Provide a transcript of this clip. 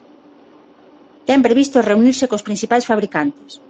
Ten previsto reunirse cos principais fabricantes.